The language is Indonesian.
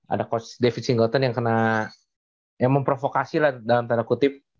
ada coach david singleton yang memprovokasi lah dalam tanda kutip